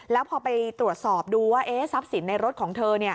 แล้วพอไปตรวจสอบดูว่าทรัพย์สินในรถของเธอ